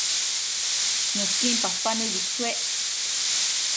Nuquin papa nëbi chuec